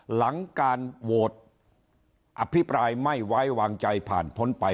หลังการโหวตอภิปรายไม่ไว้วางใจผ่านพ้นไป